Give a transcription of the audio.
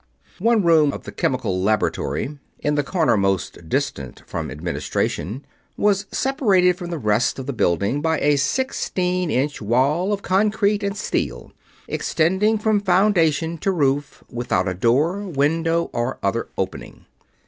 One room of the Chemical Laboratory in the corner most distant from Administration was separated from the rest of the building by a sixteen inch wall of concrete and steel extending from foundation to roof without a door, window, or other opening.